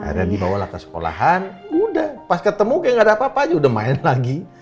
akhirnya dibawalah ke sekolahan udah pas ketemu kayak gak ada apa apa aja udah main lagi